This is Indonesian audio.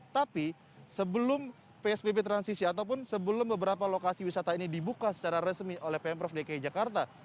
tapi sebelum psbb transisi ataupun sebelum beberapa lokasi wisata ini dibuka secara resmi oleh pemprov dki jakarta